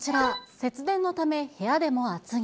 節電のため部屋でも厚着。